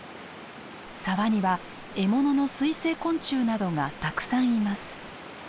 沢には獲物の水生昆虫などがたくさんいます。